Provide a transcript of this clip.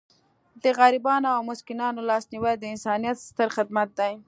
د غریبانو او مسکینانو لاسنیوی د انسانیت ستر خدمت دی.